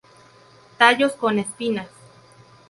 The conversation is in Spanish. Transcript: Tallos con espinas.